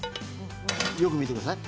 よく見てください。